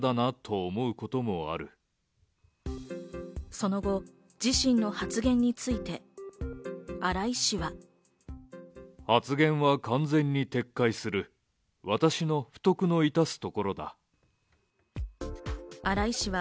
その後、自身の発言について荒井氏は。